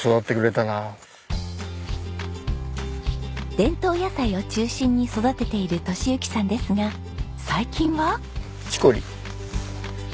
伝統野菜を中心に育てている敏之さんですが最近は？